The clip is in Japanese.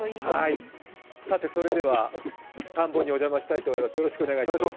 それでは、田んぼにお邪魔したいと思います。